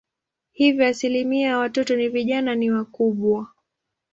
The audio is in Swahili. Hivyo asilimia ya watoto na vijana ni kubwa.